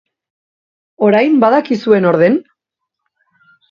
Orain badakizue nor den?